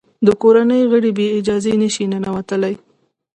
د کورنۍ غړي بې اجازې نه شي ننوتلای.